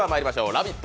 「ラヴィット！」